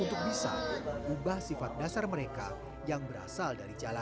untuk bisa mengubah sifat dasar mereka yang berasal dari jalan